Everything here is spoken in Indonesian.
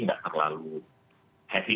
nggak terlalu happy